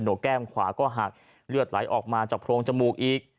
กแก้มขวาก็หักเลือดไหลออกมาจากโรงจมูกอีก